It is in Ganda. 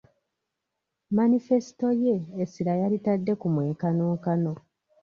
Manifesito ye essira yalitadde ku mwenkanonkano.